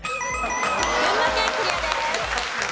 群馬県クリアです。